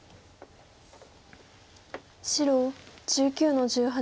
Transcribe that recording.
白１９の十八。